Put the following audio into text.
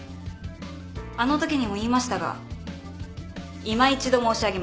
あのときにも言いましたがいま一度申し上げます。